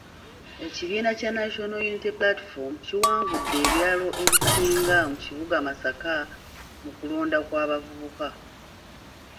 Ekibiina kya National Unity Platform kiwangudde ebyalo ebisinga mu kibuga Masaka mu kulonda kw’abavubuka.